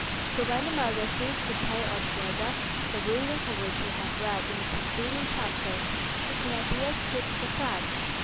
So when the mother ceased to pay altogether, the reason for which we have read in preceding chapters, the Thénardiers kept Cosette.